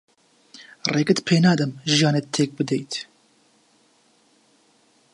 ڕێگەت پێ نادەم ژیانت تێک بدەیت.